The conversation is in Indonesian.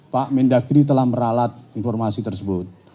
pak mendagri telah meralat informasi tersebut